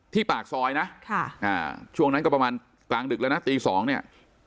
ที่ปากซอยนะค่ะอ่าช่วงนั้นก็ประมาณกลางดึกแล้วนะตีสองเนี่ย